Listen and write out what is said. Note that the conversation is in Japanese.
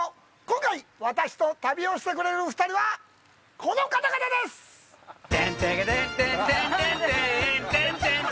今回、私と旅をしてくれる２人はこの方々です！よっ！